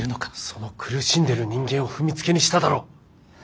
その苦しんでる人間を踏みつけにしただろ。